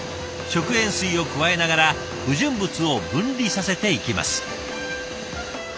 食塩水を加えながら不純物を分離させていきます。